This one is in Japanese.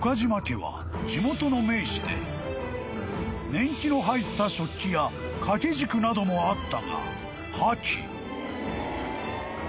［年季の入った食器や掛け軸などもあったが破棄］